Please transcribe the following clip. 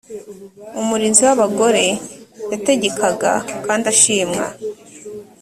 umurinzi w’abagore yategekaga kandi ashimwa